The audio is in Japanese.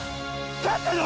かったの？